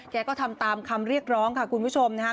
แกก็ทำตามคำเรียกร้องค่ะคุณผู้ชมนะครับ